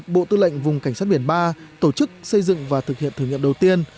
bộ tư lệnh vùng cảnh sát biển ba tổ chức xây dựng và thực hiện thử nghiệm đầu tiên